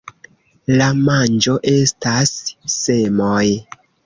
La manĝo estas semoj.